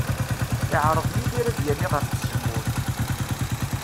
Iɛreḍ Yidir ad yali ɣef tzemmurt.